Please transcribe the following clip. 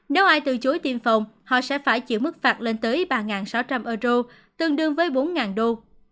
nếu ai từ chối tiêm phòng họ sẽ phải chịu mức phạt lên tới ba sáu trăm linh euro tương đương với bốn đô